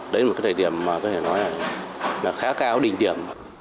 đấy là một thời điểm có thể nói là khá cao đỉnh điểm